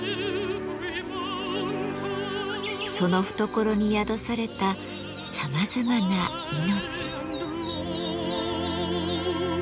その懐に宿されたさまざまな命。